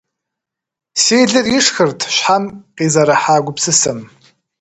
Си лыр ишхырт щхьэм къизэрыхьа гупсысэм.